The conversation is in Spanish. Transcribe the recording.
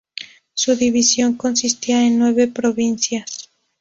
Su división consistía en nueve provincias.